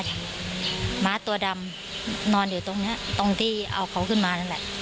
ม้าตัวดำนอนอยู่ตรงนี้ตรงที่เอาเขาขึ้นมานั่นแหละ